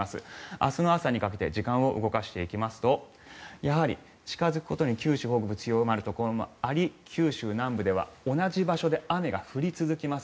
明日の朝にかけて時間を動かすとやはり近付くごとに九州北部では強まるところもあり九州南部では同じ雨で雨が降り続きます。